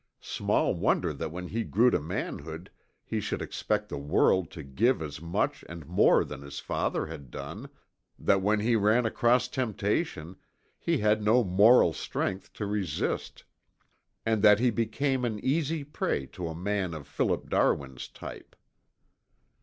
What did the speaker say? Small wonder that when he grew to manhood he should expect the world to give as much and more than his father had done, that when he ran across temptation he had no moral strength to resist, and that he became an easy prey to a man of Philip Darwin's type.